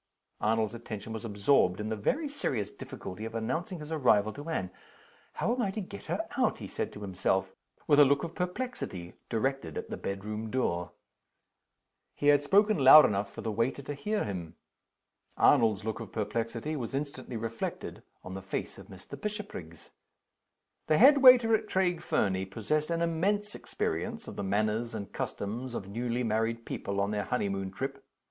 Arnold's attention was absorbed in the very serious difficulty of announcing his arrival to Anne. "How am I to get her out?" he said to himself, with a look of perplexity directed at the bedroom door. He had spoken loud enough for the waiter to hear him. Arnold's look of perplexity was instantly reflected on the face of Mr. Bishopriggs. The head waiter at Craig Fernie possessed an immense experience of the manners and customs of newly married people on their honeymoon trip.